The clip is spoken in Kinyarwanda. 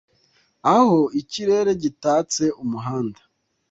Aho ikirere gitatse umuhanda